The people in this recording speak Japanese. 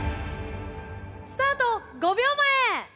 スタート５秒前！